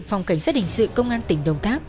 phòng cảnh sát hình sự công an tỉnh đồng tháp